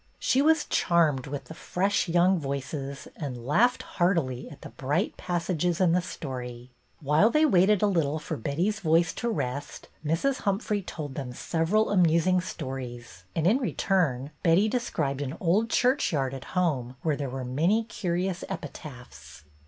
She was charmed with the fresh young voices and laughed heartily at the bright passages in the story. While they waited a little for Betty's voice to rest, Mrs. Humphrey told them several amusing stories, and in return Betty described an old churchyard at home where there were many curious epitaphs.